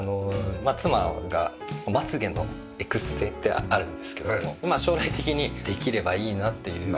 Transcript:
妻がまつげのエクステってあるんですけども将来的にできればいいなっていう。